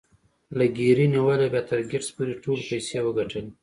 له ګيري نيولې بيا تر ګيټس پورې ټولو پيسې وګټلې.